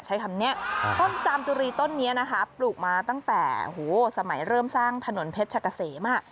ใช้คำนี้ต้นจามจุรีต้นนี้นะคะปลูกมาตั้งแต่สมัยเริ่มสร้างถนนเพชรกะเสม